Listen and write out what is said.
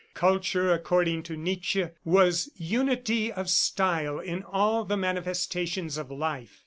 Culture, according to Nietzsche, was "unity of style in all the manifestations of life."